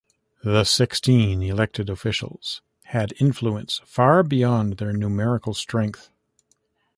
The sixteen elected officials had influence far beyond their numerical strength.